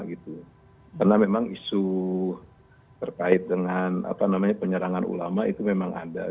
karena memang isu terkait dengan penyerangan ulama itu memang ada